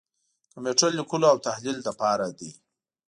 کمپیوټر لیکلو او تحلیل لپاره دی.